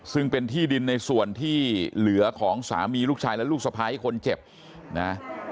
ซึ่งเป็นที่ดินในส่วนที่เหลือของสามีลูกชายและลูกสะพ้ายคนเจ็บนะ